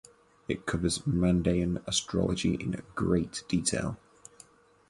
It covers Mandaean astrology in great detail.